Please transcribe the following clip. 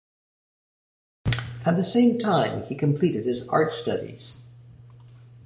At the same time, he completed his art studies.